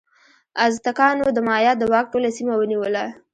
ازتکانو د مایا د واک ټوله سیمه ونیوله.